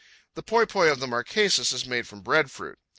The poi poi of the Marquesas is made from breadfruit.